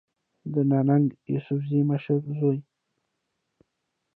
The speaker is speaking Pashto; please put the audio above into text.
د ننګ يوسفزۍ مشر زوی